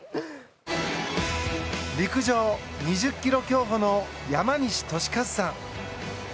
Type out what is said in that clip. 陸上２０ｋｍ競歩の山西利和さん。